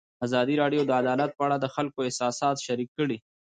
ازادي راډیو د عدالت په اړه د خلکو احساسات شریک کړي.